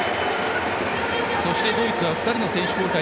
そしてドイツは２人選手交代。